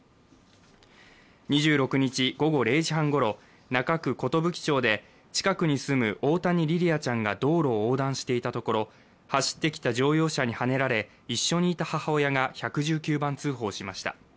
２６日午後０時半ごろ、中区寿町で近くに住む大谷莉々華ちゃんが道路を横断していたところを走ってきた乗用車にはねられ、一緒にいた母親が１１９番通報しました。